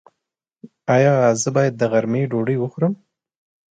ایا زه باید د غرمې ډوډۍ وخورم؟